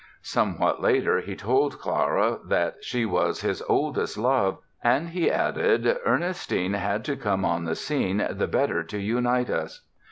Somewhat later he told Clara that she was "his oldest love"; and he added: "Ernestine had to come on the scene the better to unite us".